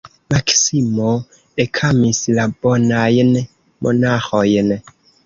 Maksimo ekamis la bonajn monaĥojn.